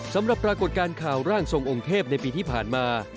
ปรากฏการณ์ข่าวร่างทรงองค์เทพในปีที่ผ่านมา